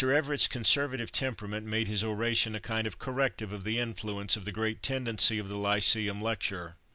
Everett's conservative temperament made his oration a kind of corrective of the influence of the great tendency of the lyceum lecture.